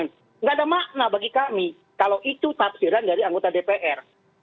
tidak ada makna bagi kami kalau itu tafsiran dari anggota dpr